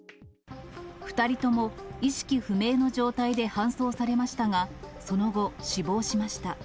２人とも意識不明の状態で搬送されましたが、その後、死亡しました。